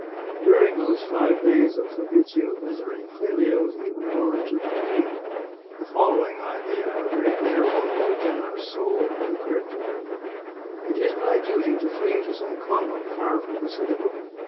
During those five days of Fabrizio's misery, Clelia was even more wretched than he. The following idea, a very bitter one to a generous soul, had occurred to her :" It is my duty to flee to some convent far from the citadel.